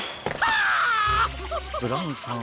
ブラウンさん